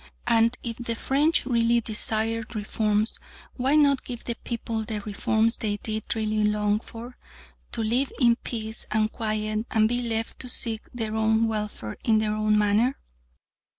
And if the French really desired reforms, why not give the people the reforms they did really long for? To live in peace and quiet and be left to seek their own welfare in their own manner?